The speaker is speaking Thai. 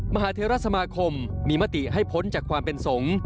มหาเทราสมาคมมีมติให้พ้นจากความเป็นสงฆ์